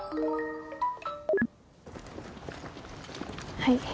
はい。